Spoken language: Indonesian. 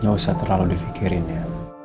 jangan terlalu dipikirkan ya